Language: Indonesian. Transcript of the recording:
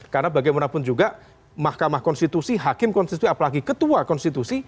karena bagaimanapun juga mahkamah konstitusi hakim konstitusi apalagi ketua konstitusi